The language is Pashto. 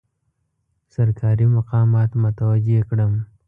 سرکاري مقامات متوجه کړم.